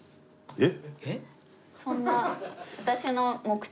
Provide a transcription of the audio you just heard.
えっ？